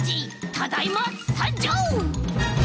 ただいまさんじょう！